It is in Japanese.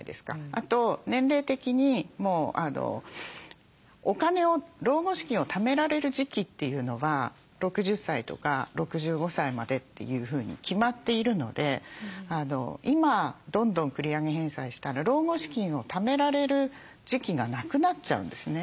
あと年齢的にお金を老後資金をためられる時期というのは６０歳とか６５歳までというふうに決まっているので今どんどん繰り上げ返済したら老後資金をためられる時期がなくなっちゃうんですね。